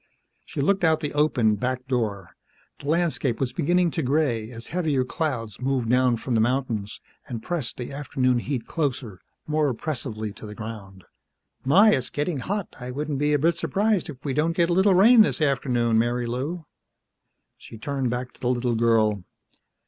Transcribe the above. She looked out the open back door. The landscape was beginning to gray as heavier clouds moved down from the mountains and pressed the afternoon heat closer, more oppressively to the ground. "My, it's getting hot. I wouldn't be a bit surprised if we didn't get a little rain this afternoon, Marilou." She turned back to the little girl.